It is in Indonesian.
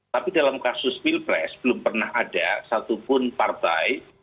tapi dalam kasus pilpres belum pernah ada satupun partai